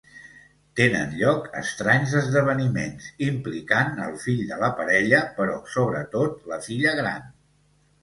Tenen lloc estranys esdeveniments, implicant el fill de la parella, però sobretot la filla gran.